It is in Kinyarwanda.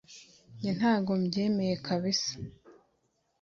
njye ntago mbyemeye kabsa